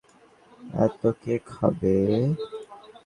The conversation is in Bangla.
এত কে খাবে?